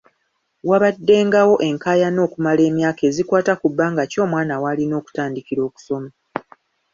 Wabaddengawo enkaayana okumala emyaka ezikwata ku bbanga ki omwana w’alina okutandikira okusoma.